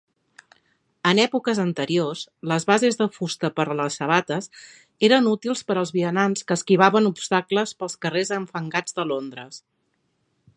En èpoques anteriors, les bases de fusta per a les sabates eren útils per als vianants que esquivaven obstacles pels carrers enfangats de Londres.